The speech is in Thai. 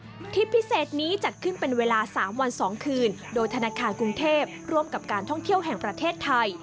ที่พิเศษนี้จัดขึ้นเป็นเวลา๓วัน๒คืนโดยธนาคารกรุงเทพร่วมกับการท่องเที่ยวแห่งประเทศไทย